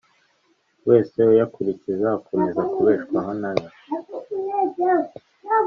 wese uyakurikiza akomeze kubeshwaho na yo